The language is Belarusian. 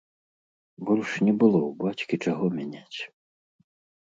Больш не было ў бацькі чаго мяняць.